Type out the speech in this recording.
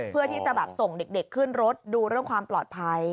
เพื่อที่จะแบบส่งเด็กขึ้นรถดูเรื่องความปลอดภัย